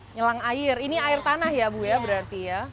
nyelang air ini air tanah ya bu berarti ya